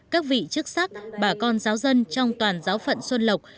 các vị chức sắc bà con giáo dân trong toàn giáo phận xuân lộc